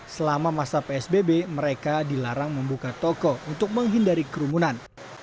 selama masa psbb mereka dilarang membuka toko untuk menghindari kerumunan